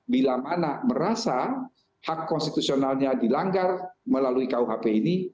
bila mana merasa hak konstitusionalnya dilanggar melalui kuhp ini